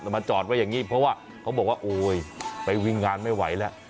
มาจอดไว้อย่างนี้เพราะว่าเขาบอกว่าโอ๊ยไปวิ่งงานไม่ไหวแล้ว